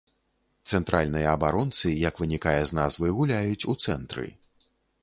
Цэнтральныя абаронцы, як вынікае з назвы, гуляюць у цэнтры.